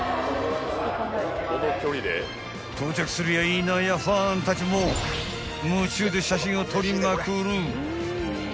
［到着するや否やファンたちも夢中で写真を撮りまくる］